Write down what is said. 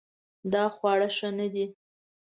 دا خواړه ښه نه دي